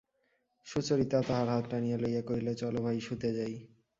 সুচরিতা তাহার হাত টানিয়া লইয়া কহিল, চলো ভাই, শুতে যাই।